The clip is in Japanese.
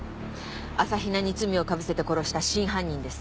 朝比奈に罪を被せて殺した真犯人です。